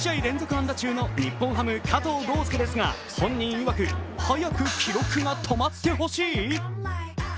安打中の日本ハム・加藤豪将ですが本人いわく、早く記録がとまってほしい？